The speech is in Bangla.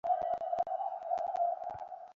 তিনি সর্বদাই চিবুতেন; এমনকি দল হেরে গেলেও।